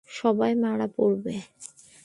সবাই মারা পড়বে।